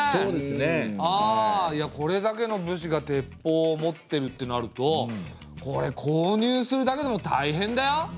あいやこれだけの武士が鉄砲を持ってるってなるとこれ購入するだけでもたいへんだよ！？